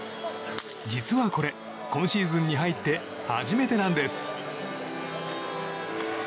実はこれ、今シーズンに入って初めてなんです。